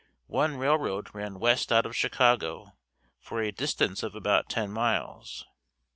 One railroad ran west out of Chicago for a distance of about ten miles.